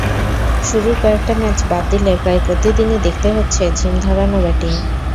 শুরুর কয়েকটা ম্যাচ বাদ দিলে প্রায় প্রতিদিনই দেখতে হচ্ছে ঝিম ধরানো ব্যাটিং।